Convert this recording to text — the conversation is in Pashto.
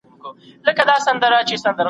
د کورنیو وسایلو جوړولو کې ونې مرسته کوي.